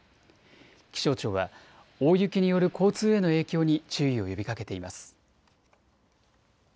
気象庁は大雪による交通への影響に注意を呼びかけています。